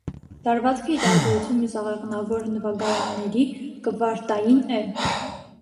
Լարվածքը ի տարբերություն մյուս աղեղնավոր նվագարանների կվարտային է։